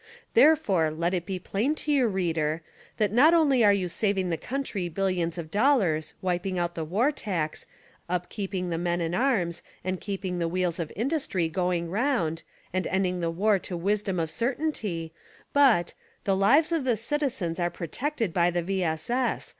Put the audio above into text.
Therefore, let it be plain to you, reader, that not only are you saving the country "Billions of Dollars," wiping out the war tax, upkeeping the men in arms and keeping the wheels of industry going round, and ending the war to wisdom of certainty, but, "the lives of the citizens are protected by the V. S. S.